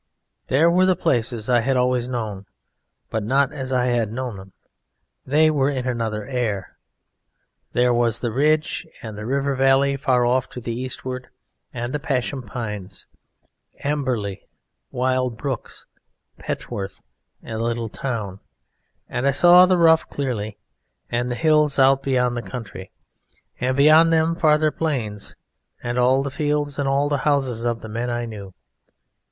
There were the places I had always known, but not as I had known them: they were in another air. There was the ridge, and the river valley far off to the eastward, and Pasham Pines, Amberley wild brooks, and Petworth the little town, and I saw the Rough clearly, and the hills out beyond the county, and beyond them farther plains, and all the fields and all the houses of the men I knew.